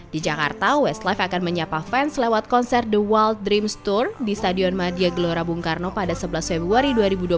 di jakarta westlife akan menyapa fans lewat konser the wild dreams tour di stadion madia gelora bung karno pada sebelas februari dua ribu dua puluh tiga